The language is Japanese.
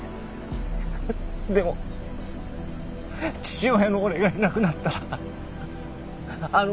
でも父親の俺がいなくなったらあの子は。